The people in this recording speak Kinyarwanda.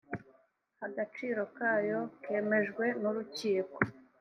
agaciro kayo kemejwe nurukiko.